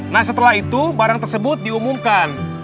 nah setelah itu barang tersebut diumumkan